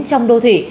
trong đô thị